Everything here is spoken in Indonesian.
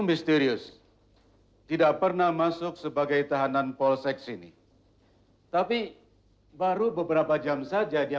misterius tidak pernah masuk sebagai tahanan polsek sini tapi baru beberapa jam saja dia